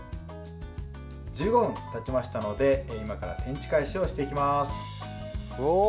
１５分たちましたので今から天地返しをしていきます。